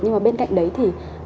nhưng mà bên cạnh đấy thì